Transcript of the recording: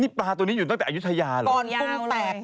ปลาตัวนี้อยู่ตั้งแต่อายุทยาเหรอ